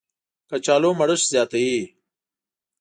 کچالو مړښت زیاتوي